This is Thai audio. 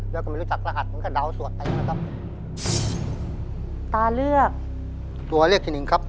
แล้วก็ไม่รู้จักรหัสมันก็ดาวสวดไปนะครับตาเลือกตัวเลือกที่หนึ่งครับ